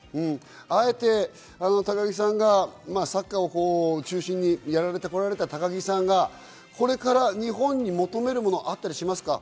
あえて高木さんがサッカーを中心にやられてこられた高木さんがこれから日本に求めるものあったりしますか？